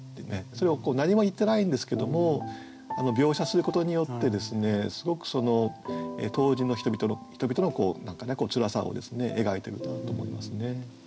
それを何も言ってないんですけども描写することによってですねすごく当時の人々のつらさを描いてるんだと思いますね。